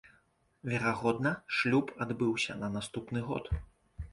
Верагодна, шлюб адбыўся на наступны год.